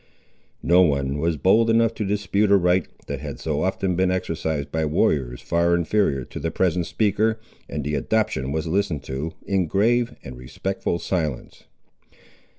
No one was bold enough to dispute a right, that had so often been exercised by warriors far inferior to the present speaker, and the adoption was listened to, in grave and respectful silence.